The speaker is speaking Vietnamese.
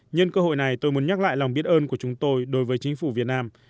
nhân cơ hội này tôi muốn nhắc lại lòng biết ơn của chúng tôi đối với chính phủ việt nam